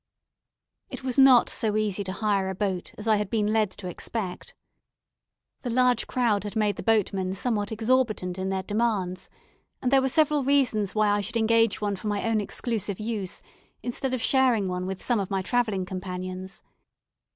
It was not so easy to hire a boat as I had been led to expect. The large crowd had made the boatmen somewhat exorbitant in their demands, and there were several reasons why I should engage one for my own exclusive use, instead of sharing one with some of my travelling companions.